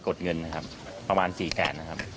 ดเงินนะครับประมาณ๔แสนนะครับ